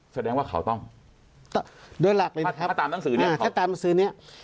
แสดงว่าเขาต้องโดยหลักเลยนะครับตามหนังสือเนี่ยถ้าตามหนังสือเนี้ย